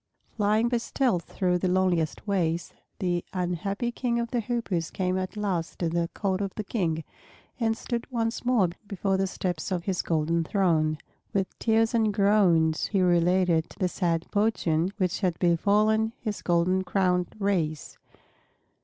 Flying by stealth through the loneliest ways, the unhappy King of the Hoopoes came at last to the court of the King, and stood once more before the steps of his golden throne. With tears and groans he related the sad fortune which had befallen his golden crowned race.